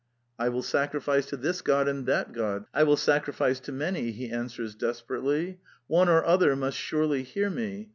"" I will sacrifice to this god and that god: I will sacrifice to many," he answers desperately. " One or other must surely hear me.